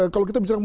kalau kita bicara